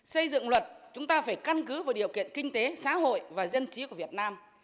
xây dựng luật chúng ta phải căn cứ vào điều kiện kinh tế xã hội và dân trí của việt nam